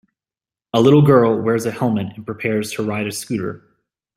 A little girl wears a helmet and prepares to ride a scooter